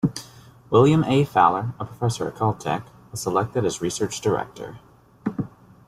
William A. Fowler, a professor at Caltech, was selected as research director.